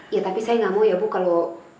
ya tapi saya gak mau ya bu kalo